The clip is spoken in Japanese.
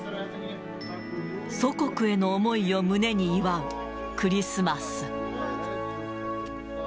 祖国への思いを胸に祝うクリスマス。